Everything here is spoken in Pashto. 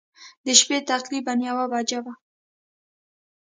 د شپې تقریباً یوه بجه وه.